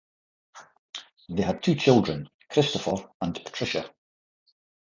They had two children, Christopher and Patricia.